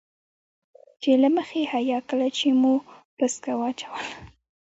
چې له مخې حيا کله چې مو پسکه واچوله.